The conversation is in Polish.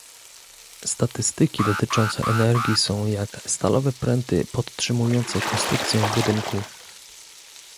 Statystyki dotyczące energii są jak stalowe pręty podtrzymujące konstrukcję budynku